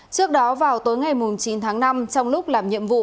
trước đó vào tối ngày chín tháng năm trong lúc làm nhiệm vụ